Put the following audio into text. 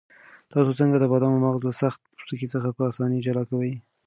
تاسو څنګه د بادامو مغز له سخت پوستکي څخه په اسانۍ جلا کوئ؟